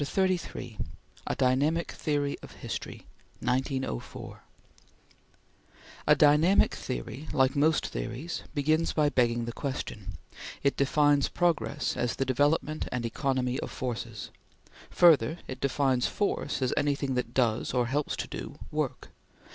CHAPTER XXXIII A DYNAMIC THEORY OF HISTORY (1904) A DYNAMIC theory, like most theories, begins by begging the question: it defines Progress as the development and economy of Forces. Further, it defines force as anything that does, or helps to do work.